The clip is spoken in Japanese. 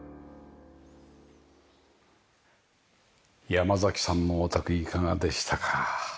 山さんのお宅いかがでしたか？